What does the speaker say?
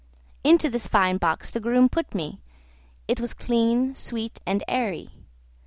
Into this fine box the groom put me; it was clean, sweet, and airy.